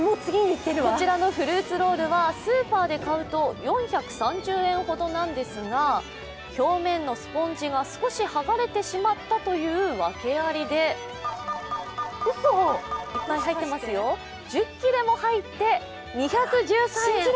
こちらのフルーツロールはスーパーで買うと４３０円ほどなんですが表面のスポンジが少し剥がれてしまったというワケありで１０切れも入って２１３円。